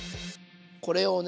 これをね